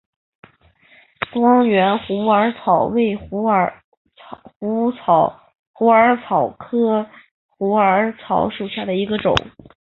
光缘虎耳草为虎耳草科虎耳草属下的一个种。